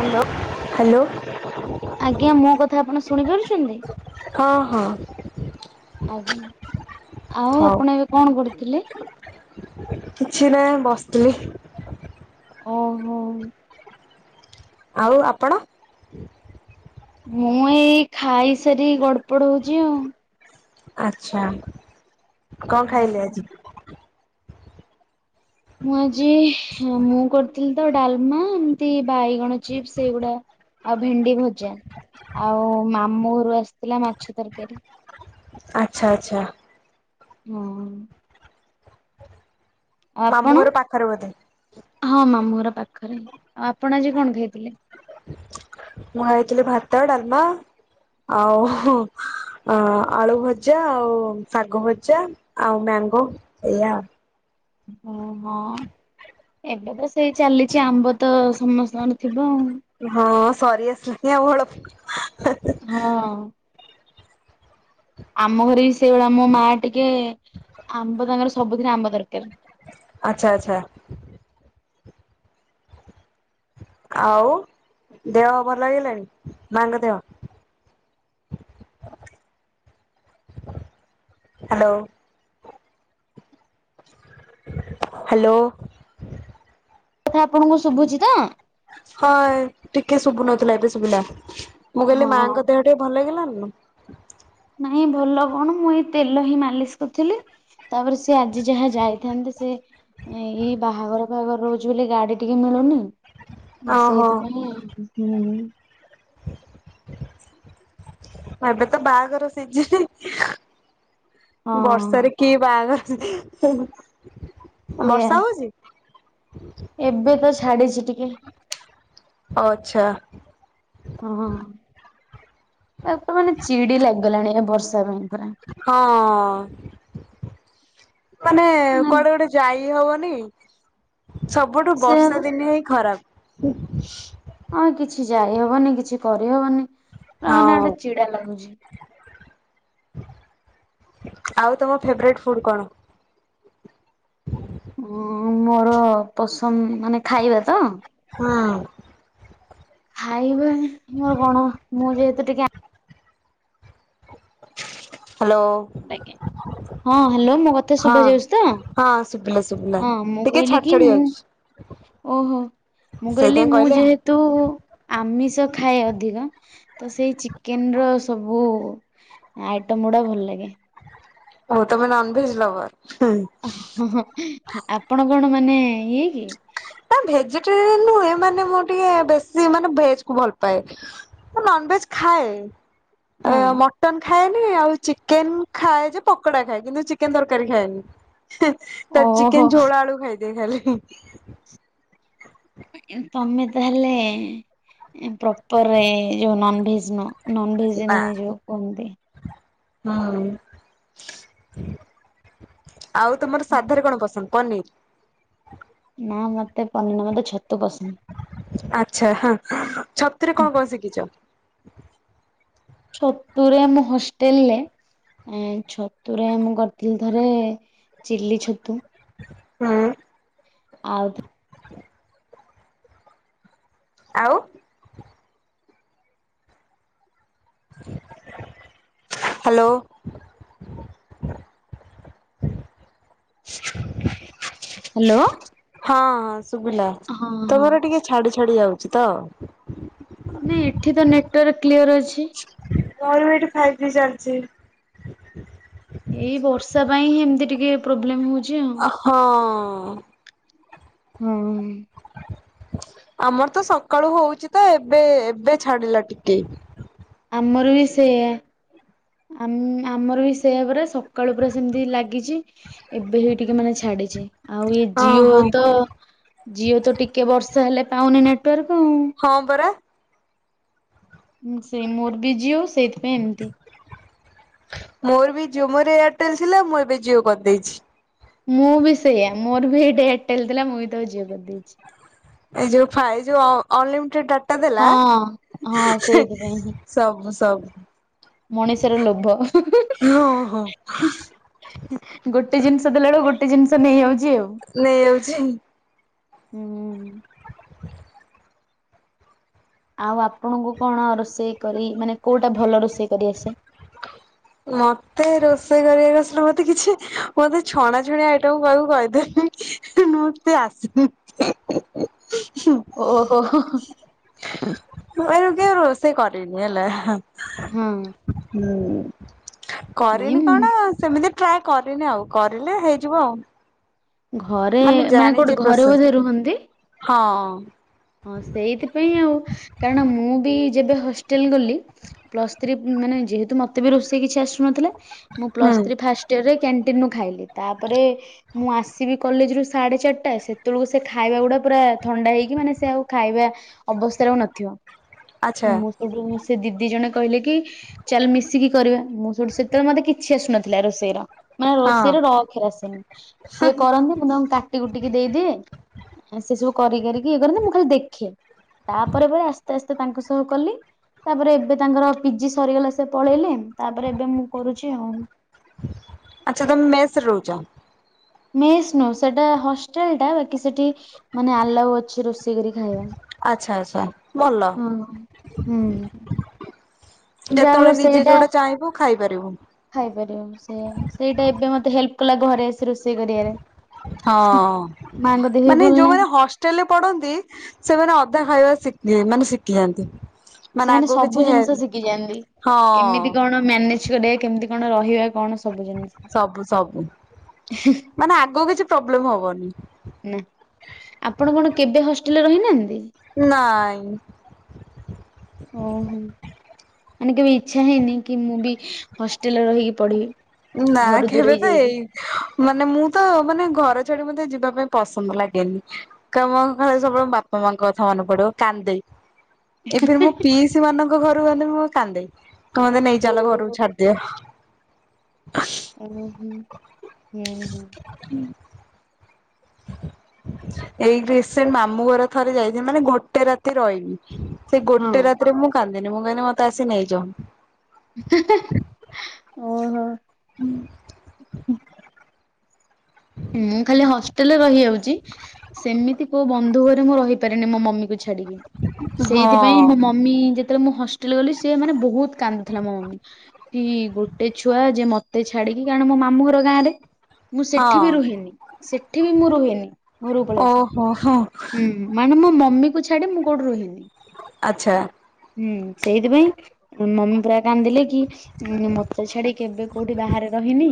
Hello. Hello. ଆଜ୍ଞା ମୋ କଥା ଆପଣ ଶୁଣି ପାରୁଚନ୍ତି। ହଁ ହଁ। ଆଜ୍ଞା, ଆଉ ହଉ ଆପଣ ଏବେ କଣ କରୁଥିଲେ? କିଛି ନାଇଁ, ବସିଥିଲି। ଓହୋ। ଆଉ ଆପଣ? ମୁଁ ଏଇ ଖାଇସାରି ଗଡପଡ ହଉଚି ଆଉ। ଆଛା, କଣ ଖାଇଲେ ଆଜି? ମୁଁ ଆଜି, ମୁଁ କରିଥିଲି ତ ଡାଲମା, ଏମିତି ବାଇଗଣ ଚିପ୍ସ ଏଗୁଡା। ଆଉ ଭେଣ୍ଡି ଭଜା, ଆଉ ମାମୁଁ ଘରୁ ଆସିଥିଲା ମାଛ ତରକାରୀ। ଆଛା ଆଛା। ହଁ। ଆପଣ ମାମୁଁ ଘର ପାଖରେ ବୋଧେ? ହଁ ମାମୁଁ ଘର ପାଖରେ, ଆଉ ଆପଣ ଆଜି କଣ ଖାଇଥିଲେ? ମୁଁ ଖାଇଥିଲି ଭାତ, ଡାଲମା ଆଉ ଆଳୁ ଭଜା, ଆଉ ଶାଗ ଭଜା ଆଉ ମ୍ୟାଙ୍ଗୋ, ଏଇଆ। ହଁ ହଁ। ଏବେ ତ ସେଇ ଚାଲିଚି, ଆମ୍ବ ତ ସମସ୍ତଙ୍କର ଥିବ ଆଉ। ହଁ ସରି ଆସିଲାଣି ଆଉ ଅଳପ, ହେଁ ହେଁ। ହଁ। ଆମ ଘରେ ବି ସେଇଭଳିଆ, ମୋ ମା ଟିକେ, ଆମ୍ବ ତାଙ୍କର ସବୁଥିରେ ଆମ୍ବ ଦରକାର। ଆଛା ଆଛା। ଆଉ ଦେହ ଭଲ ହେଇଗଲାଣି? ମାଙ୍କ ଦେହ। ହାଲୋ। ହାଲୋ। କଥା ଆପଣଙ୍କୁ ଶୁଭୁଛି ତ? ହଁ ଟିକେ ଶୁବୁ ନଥିଲା, ଏବେ ଶୁବିଲା ମୁଁ କଲି ହଁ। ମାଆଙ୍କ ଦେହ ଟିକେ ଭଲ ହେଇଗଲାଣି ନା? ନାଇଁ ଭଲ କଣ, ମୁଁ ଏଇ ତେଲ ହିଁ ମାଲିସ କରିଥିଲି। ତାପରେ ସେ ଆଜି ଯାହା ଯାଇଥାନ୍ତେ, ସେ ଏଇ ବାହାଘର ଫାଗର ରହୁଚି ବୋଲି, ଗାଡି ଟିକେ ମିଳୁନି। ଓହୋ ସେଇଥିପାଇଁ, ହୁଁ। [unintelligible] ଏବେ ତ ବାଗର ସିଜିନି, ହଁ ବର୍ଷାରେ କି ବାଗର? ସେଇଆ ବର୍ଷା ହଉଚି? ଏବେ ତ ଛାଡିଚି ଟିକେ। ଓ ଆଛା। ହଁ, ଆପ ମାନେ ଚିଡି ଲାଗିଗଲାଣି, ଏ ବର୍ଷା ପାଇଁ ପୁରା। ହଁ, ମାନେ ନା କୁଆଡେ ଗୋଟେ ଯାଇ ହବନି, ସବୁଠୁ ସେ ବର୍ଷା ଦିନେ ହିଁ ଖରାପ। ହଁ କିଛି ଯାଇହବନି, କିଛି କରିହବନି, ମାନେ ହଁ। ଗୋଟେ ଚିଡା ଲାଗୁଚି। ଆଉ ତମ ଫେବରାଇଟ ଫୁଡ କଣ? ହଁ ମୋର ପସନ୍ଦ, ମାନେ ଖାଇବା ତ? ହଁ। ଖାଇବ ମୋର କଣ? ମୁଁ ଯେହେତୁ ଟିକେ ହାଲୋ। ହଁ ହ୍ୟାଲୋ ମୋ କଥା ହଁ। ଶୁଭା ଯାଉଛି ତ? ହଁ ଶୁଭିଲା ଶୁଭିଲା ହଁ ମୁଁ ଟିକେ କହିଲି ଛାଡ କି ଛାଡି ମୁଁ ଯାଉଛି। ଓହୋ ମୁଁ କହିଲି ସେଇଥିପାଇଁ ମୁଁ କହିଲେ। ଯେହେତୁ ଆମିଷ ଖାଏ ଅଧିକ। ତ ସେଇ ଚିକେନ ର ସବୁ ଆଇଟମ ଗୁଡା ଭଲ ଲାଗେ। ଓ ତମେ ନନଭେଜ ଲଭର୍? ହୁଁ ହୁଁ ହୁଁ ଆପଣ କଣ ମାନେ ଇଏ କି? ନା ଭେଜିଟେରିଆନ ନୁହେଁ ମାନେ ମୁଁ ଟିକେ ବେଶୀ ମାନେ ଭେଜ କୁ ଭଲ ପାଏ। ମୁଁ ନନଭେଜ ଖାଏ ହଁ ମଟନ ଏ ଖା ଖାଏନି ଆଉ ଚିକେନ ଖାଏ ଯେ ପକୋଡା ଖାଏ କିନ୍ତୁ ଚିକେନ ତରକାରୀ ଖାଏନି। ହିଁ ଓହୋ ଚିକେନ ଛୋଳ ଆଳୁ ଖାଇଦେ ଖାଲି। ଆଜ୍ଞା ତମେ ତାହେଲେ ପ୍ରପରେ ନନଭେଜ ନୁହଁ। ନନ୍ ନା ଭେଜ୍ଆନବ ନିଜ କୁହନ୍ତି। ହୁଁ। ଆଉ ତମର ସାଧାରେ କଣ ପସନ୍ଦ ପନିର? ନା ମତେ ପନି ନା ମତେ ଛତୁ ପସନ୍ଦ। ଆଚ୍ଛା ହଁ ଛତୁରେ କଣ କଣ ଶିଖିଛ? ଛତୁ ରେ ମୁଁ ହଷ୍ଟେଲରେ ଏ ଛତୁରେ ମୁଁ କରିଥିଲି ଥରେ ଚିଲି ଛତୁ। ହୁଁ। ଆଉ ଆଉ ହ୍ୟାଲୋ। ହ୍ୟାଲୋ। ହଁ ହଁ ଶୁଭିଲା ହଁ ହଁ ତମର ଟିକେ ଛାଡି ଛାଡି ଯାଉଛି ତ। ନାଇଁ ଏଠି ତ ନେଟୱାର୍କ କ୍ଲିୟର ଅଛି। ମୋର ବି ଏଠି ଫାଇପ୍ ଜି ଚାଲିଛି। ଏଇ ବର୍ଷା ପାଇଁ ହିଁ ଏମିତି ଟିକେ ପ୍ରୋବ୍ଲେମ ହଉଛି ଆଉ। ହଁ। ହୁଁ। ଆମର ତ ସକାଳୁ ହଉଛି ତ ଏବେ ଏବେ ଛାଡିଲା ଟିକେ। ଆମର ବି ସେଆ। ଆମ୍ ଆମର ବି ସେଆ ପରା ସକାଳୁ ପୁରା ସେମତି ଲାଗିଛି। ଏବେ ହି ଟିକେ ମାନେ ଛାଡିଛି। ଆଉ ଏଇ ଜିଓ ଓହୋ। ତ ଜିଓ ତ ଟିକେ ବର୍ଷ ହେଲେ ପାଉନି ନେଟୱାର୍କ ଆଉ। ହଁ ପରା। ହୁଁ ସେ ମୋର ବି ଜୀଓ ସେଇଥିପାଇଁ ଏମିତି। ମୋର ବି ଜିଓ ମୋରେ ଏୟାରଟେଲ ଥିଲା ମୁଁ ଏବେ ଜିଓ କରିଦେଇଛି। ମୁଁ ବି ସେଇଆ ମୋର ବି ଏଇଟା ଏୟାରଟେଲ ଥିଲା ମୁଁ ବି ତ ଜିଓ କରିଦେଇଛି। ଏ ଯୋଉ ଫାଇ ଯୋଉ ଅ ଅନଲିମିଟେଡ ଡାଟା ଦେଲା ହଁ ହଁ ସେଇଥିପାଇଁ ହିଁ। ସବୁ ସବ ମଣିଷର ଲୋଭ ଗୋଟେ ଜିନିଷ ଦେଲା ବେଳକୁ ଗୋଟେ ଜିନିଷ ନେଇଯାଉଛି ଆଉ। ନେଇଯାଉଛି। ହୁଁ ହୁଁ। ଆଉ ଆପଣଙ୍କୁ କଣ ରୋଷେଇ କରି ମାନେ କୋଉଟା ଭଲ ରୋଷେଇ କରି ଆସେ? ମତେ ରୋଷେଇ କରିବାକୁ ଆସିଲେ ମତେ କିଛି ମତେ ଛଣା ଛୁଣି ଆଇଟମ୍ କହିବୁ କହିଦେବି। ମତେ ଆସ ଓ ହୋ ହୋ। ମୁଁ ଆଜ ଯାକେ କେବେ ରୋଷେଇ କରିନି ହେଲା ହଁ ହୁଁ ନାଇଁ କରିନି କଣ ସେମିତି ଟ୍ରାଏ କରିନି ଆଉ କରିଲେ ହେଇଯିବ ଆଉ। ଘରେ ମାନେ କୋଉଠେ ଘରେ ବୋଧେ ରୁହନ୍ତି। ହଁ। ହଁ ସେଇଥିପାଇଁ ଆଉ କାରଣ ମୁଁ ବି ଯେବେ ହଷ୍ଟେଲ ଗଲି। ପ୍ଲସ୍ ଥ୍ରୀ ମାନେ ଯେହେତୁ ମତେ ବି ରୋଷେଇ କିଛି ଆସୁନଥିଲେ ମୁଁ ପ୍ଲସ ଥ୍ରୀ ଫାସ୍ ଇୟର ରେ କ୍ୟାଣ୍ଟିନ ନୁ ଖାଇଲି ତାପରେ ମୁଁ ଆସିବି କଲେଜ ରୁ ସାଢେ ଚାରିଟା ସେତେବୁଳୁକୁ ସେ ଖାଇବା ଗୁଡା ପୁରା ଥଣ୍ଡା ହେଇକି ମାନେ ସେ ଆଉ ଖାଇବା ଅବସ୍ତାରେ ଆଉ ନଥିବ ଆଚ୍ଛା ମୁ ଏଦିନୁ ସେ ଦିଦି ଜଣେ କହିଲେ କି। ଚାଲ ମିଶିକି କରିଵା ମୁଁ ସେଠୁ ସେତେବେଳେ ମତେ କିଛି ଆସୁନଥିଲା ରୋଷେଇର। ମାନେ ହଁ ରୋଷେଇର ର ଅକ୍ଷର ଆସେନି ସିଏ କରନ୍ତି ମୁଁ ତାଙ୍କୁ କାଟି କୁଟିକି ଦେଇଦିଏ ସେ ସବୁ କରି କରିକି ଇଏ କରନ୍ତି ମୁଁ ଖାଲି ଦେଖେ। ତାପରେ ପରେ ଆସ୍ତେ ଆସ୍ତେ ତାଙ୍କ ସହ କଲି। ତାପରେ ଏବେ ତାଙ୍କର ପିଜି ସରିଗଲା ସେ ପଳେଇଲେ ତାପରେ ଏବେ ମୁଁ କରୁଛି ଆଉ। ଆଚ୍ଛା ତମେ ମେସରେ ରହୁଚ। ମେସ୍ ନୁଅ ସେଟା ହଷ୍ଟେଲ ଟା ବାକି ସେଠି ମାନେ ଆଲାଉ ଅଛି ରୋଷେଇ କରି ଖାଇବା। ଆଚ୍ଛା ଆଚ୍ଛା ଭଲ। ହଁ ହୁଁ। ଯାହା ହଉ ଯେତେବେଳେ ନିଜେ ସେଇଟା ଯୋଉଟା ଚାହିଁବୁ ଖାଇପାରିବୁ। ଖାଇପାରିବ ସେଇୟା ସେଇଟା ଏବେ ମତେ ହେଲ୍ପ କଲା ଘରେ ଆସି ରୋଷେଇ କରିବାରେ। ହଁ ମାଙ୍କ ଦେହ ବି ମାନେ ଭଲ ନାହିଁ ଯୋଉମାନେ ହ ଷ୍ଟେଲେ ପଢନ୍ତି ସେମାନେ ଅଧା ଖାଇବା ସିକି ମାନେ ଶିଖିଯାନ୍ତି। ସେମାନେ ସବୁ ଜିନିଷ ଶିଖିଯାଆନ୍ତି ହଁ କେମିତି କଣ ମ୍ୟାନେଜ କରିବେ କେମିତି କଣ ରହିବା। କଣ ସବୁ ଜିନିଷ। ସବୁ ସବୁ ମାନେ ଆଗକୁ କିଛି ପ୍ରୋବ୍ଲେମ୍ ହବନି। ନା ଆପଣ କଣ କେବେ ହଷ୍ଟେଲରେ ରହିନାହାନ୍ତି। ନାଇଁ। ଓହୋ। ମାନେ କେବେ ଇଚ୍ଛା ହେଇନି କି ମୁଁ ବି ହଷ୍ଟେଲରେ ରହିକି ପଢ଼ିବି। ନା କେବେ ତ ହେଇନି। ମାନେ ମୁଁ ତ ମାନେ ଘର ଛାଡି ମତେ ଯିବା ପାଇଁ ପସନ୍ଦ ଲାଗେନି। କେ ମ ଖାଲି ସବୁବେଳେ ବାପା ମାଙ୍କ କଥା ମନେ ପଡିବ କାନ୍ଦେଇ ଏବେ ମୁଁ ପିଇସି ମାନଙ୍କ ଘରୁକୁ ଗଲେ ମୁଁ କାନ୍ଦେ କହେ ମତେ ନେଇ ଚାଲ ଘରକୁ ଓହୋ ଛାଡିଦିଅ। [inaudible] ଆଇ ଲଭ ଇଉ ହୁଁ ହୁଁ। ହୁଁ। ଏଇ ଡ୍ରେସ ସେ ମାମୁଁ ଘର ଥରେ ଯାଇଚି ମାନେ ଗୋଟେ ରା ରହିନି ସେ ଗୋଟେ ହଁ। ରାତିରେ ମୁଁ କାନ୍ଦିନି ମୁଁ କହିଲି ମତେ ଆସି ନେଇଯ। ହେ ହେ ଓ ହୋ ମୁଁ ଖାଲି ହଷ୍ଟେଲରେ ରହିଯାଉଚି ସେମିତି କୋଉ ବନ୍ଧୁ ଘରେ ମୁଁ ରହିପାରେନି ମୋ ମମି କୁ ଛାଡିକି ହଁ ସେଇଥିପାଇଁ ମୋ ମମି ଯେତେବେଳେ ମୁଁ ହଷ୍ଟେଲ ଗଲି ସିଏ ମାନେ ବହୁତ କାନ୍ଦୁଥିଲା ମୋ ମମି କି ଗୋଟେ ଛୁଆ ଯେ ମତେ ମତେ ଛାଡିକି କାରଣ ମୋ ମାମୁ ଘର ଗାଁରେ ମୁଁ ହଁ ସେଠି ବି ରୁହେନି ସେଠି ବି ମୁଁ ରୁହେନି ଘରୁ ପଳେଇ ସେ ଓହୋ ହୋ ହଁ। ମାନେ ମୋ ମମି କୁ ଛାଡି ମୁଁ କୋଉଠି ରୁହେନି। ଆଚ୍ଛା। ହୁଁ ସେଇଥିପାଇଁ ମମୀ ପୁରା। କାନ୍ଦିଲେ କି ମୋତେ ଛାଡି କେବେ କୋଉଠି ବାହାରେ ରହିନି।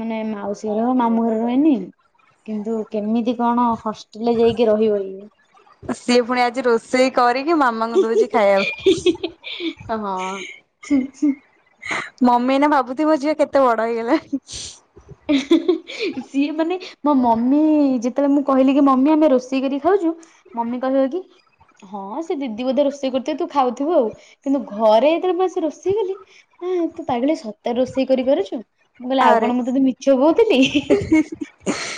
ମାନେ ମାଉସୀ ଘର ମାମୁଁ ଘରେ ରୁହେନି। କିନ୍ତୁ କେମିତି କଣ ହଷ୍ଟେଲରେ ଯାଇକି ରହିବ ଇଏ। ସିଏ ପୁଣି ଆଜି ରୋଷ ରୋସେଇ କରିକି ମାମାଙ୍କୁ ଦଉଛି ଖାଇବାକୁ। ହଁ। ମମି ଏଇନା ଭାବୁଥିବ ଝିଅ କେତେ ବଡ ହେଇଗଲାଣି। [inaudible] ସିଏ ମାନେ ମୋ ମମି ଯେତେବେଳେ ମୁଁ କହିଲି କି ମମି ଆମେ ରୋଷେଇ କରିକି ଖାଉଛୁ। ମମି କହିଲା କି ହଁ ସେ ଦିଦି ବୋଧେ ରୋଷେଇ କରୁଥିବେ ତୁ ଖାଉଥିବୁ ଆଉ କିନ୍ତୁ ଘରେ ଯେତେବେଳେ ମୁଁ ଆସି ରୋଷେଇ କଲି। ନା ତୁ ପାଗେଳି ସତରେ ରୋଷେଇ କରି ପାରୁଛୁ ମୁଁ କହିଲି ଆଉ ଆରେ କଣ ମୁଁ ତତେ ମିଛ କହୁଥିଲି। [unintelligible]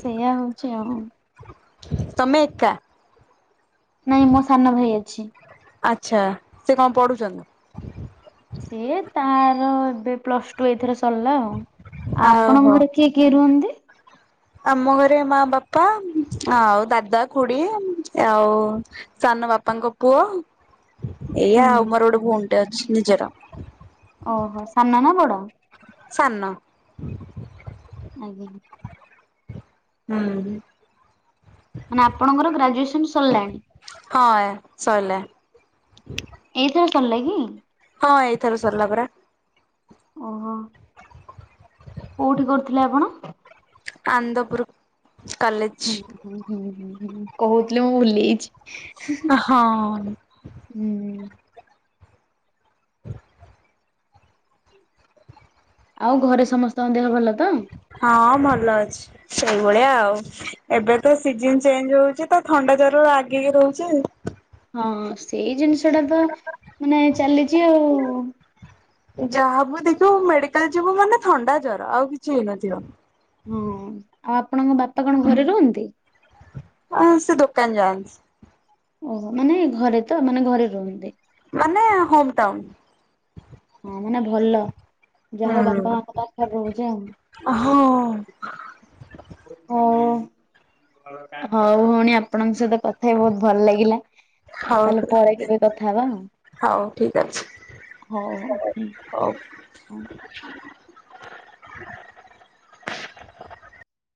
ସେଇଆ ହଉଛି ଆଉ। ତମେ ଏକା। ନାଇଁ ମୋ ସାନ ଭାଇ ଅଛି। ଆଚ୍ଛା, ସେ କଣ ପଢୁଛନ୍ତି? ସିଏ ତାର ଏବେ ପ୍ଲସ ଟୁ ଏଇଥର ସରିଲା ଆଉ ଆପଣଙ୍କ ଆହୋ। ଘରେ କିଏ କିଏ କିଏ ରୁହନ୍ତି? ଆମ ଘରେ ମା ବାପା ଆଉ ଦାଦା ଖୁଡି ଆଉ ସାନ ବାପାଙ୍କ ପୁଅ ଏଇଆ ହୁଁ। ଆଉ ମୋର ଗୋଟେ ଭଉଣୀଟେ ଅଛି ନିଜର। ଓହୋ ସାନ ନା ବଡ। ସାନ। ଆଜ୍ଞା। ହୁଁ। ମାନେ ଆପଣଙ୍କର ଗ୍ରାଜୁଏସନ ସରିଲାଣି। ହଁ ଏ ସଇଲା। ଏଇଥର ସରିଲା କି? ହଁ ଏଇଥର ସରିଲା ପରା। ଓହୋ। କୋଉଠି କରୁଥିଲେ ଆପଣ? ଆନ୍ଦପୁୁର କଲେଜ। ହୁଁ ହୁଁ ହୁଁ ହୁଁ ହୁଁ କହୁଥିଲେ ମୁଁ ଭୁଲିଯାଇଛି। ହଁ। ହୁଁ। ହୁଁ। ଆଉ ଘରେ ସମସ୍ତଙ୍କ ଦେହ ଭଲ ତ। ହଁ ଭଲ ଅଛି ସେଇଭଳିଆ ଆଉ ଏବେ ତ ସିଜନ ଚେଞ୍ଜ ହଉଛି। ତ ଥଣ୍ଡା ଜର ଲାଗିକି ରହୁଛି। ହଁ ସେଇ ଜିନିଷ ଟା ତ ମାନେ ଚାଲିଛି ଆଉ। ଯାହାବୁ ଦେଖିବୁ ମେଡିକାଲ ଯିବୁ ମାନେ ଥଣ୍ଡା ଜର ଆଉ କିଛି ହେଇନଥିବ। ହୁଁ ଆଉ ଆପଣଙ୍କ ବାପା କଣ ଘରେ ରୁହନ୍ତି? ହଁ ହଁ ସେ ଦୋକାନ ଯାଆନ୍ତି। ଓହୋ, ମାନେ ଘରେ ତ ମାନେ ଘରେ ରୁହନ୍ତି। ମାନେ ହୋମ ଟାଉନ୍। ହଁ ମାନେ ଭଲ, ଯାହା ହଉ ବାପା ହୁଁ। ମା ପା ପାଖରେ ରହୁଛ ଆଉ। ହଁ। ହଉ। ହଉ ଭଉଣୀ ଆପଣଙ୍କ ସହିତ କଥା ହେଇ ବହୁତ ଭଲ ଲାଗିଲା। ଆ ହଉ ତାହେଲେ ପରେ କେବେ କଥା ହବା ଆଉ। ହଉ ଠିକ ଅଛି ହଉ ହଉ ହୁଁ ହଉ। ହ